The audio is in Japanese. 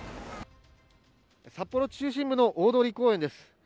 札幌市中心部の大通公園です。